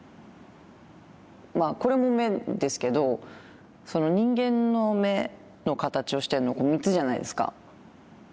まあこれも目ですけど人間の目の形をしてるのこの３つじゃないですか。